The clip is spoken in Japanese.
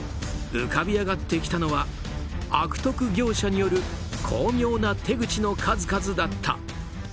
浮かび上がってきたのは悪徳業者による巧妙な手口の数々だった。